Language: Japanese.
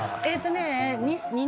えっとね。